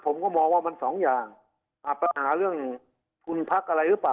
ผมก็มองว่ามันสองอย่างปัญหาเรื่องทุนพักอะไรหรือเปล่า